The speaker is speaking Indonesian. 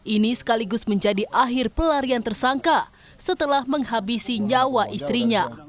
ini sekaligus menjadi akhir pelarian tersangka setelah menghabisi nyawa istrinya